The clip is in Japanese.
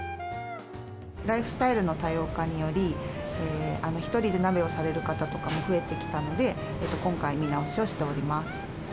ライフスタイルの多様化により、１人で鍋をされる方とかも増えてきたので、今回、見直しをしております。